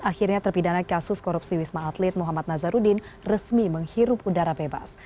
akhirnya terpidana kasus korupsi wisma atlet muhammad nazarudin resmi menghirup udara bebas